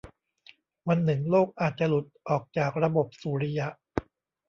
วันหนึ่งโลกอาจจะหลุดออกจากระบบสุริยะ